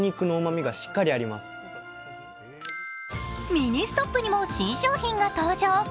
ミニストップにも新商品が登場。